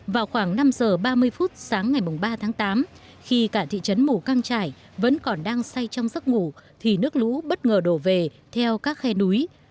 vào khoảng năm giờ ba mươi phút sáng ngày ba tháng tám khi cả thị trấn mù căng trải vẫn còn đang say trong giấc ngủ thì nước lũ bất ngờ đổ về theo các khe núi